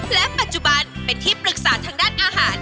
และปัจจุบันเป็นที่ปรึกษาทางด้านอาหาร